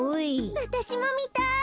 わたしもみたい。